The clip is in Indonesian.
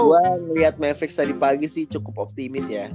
gua ngeliat mavericks tadi pagi sih cukup optimis sih